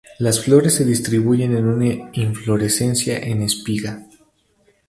Las flores se distribuyen en una inflorescencia en espiga.